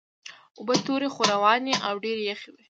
اوبه تورې خو روانې او ډېرې یخې وې.